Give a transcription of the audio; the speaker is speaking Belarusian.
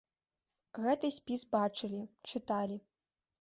Гэты спіс бачылі, чыталі.